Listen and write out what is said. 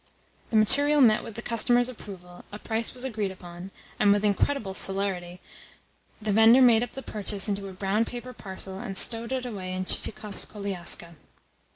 The material met with the customer's approval, a price was agreed upon, and with incredible celerity the vendor made up the purchase into a brown paper parcel, and stowed it away in Chichikov's koliaska.